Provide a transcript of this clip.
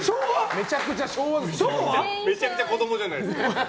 めちゃくちゃそれじゃ子供じゃないですか。